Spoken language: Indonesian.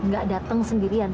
gak dateng sendirian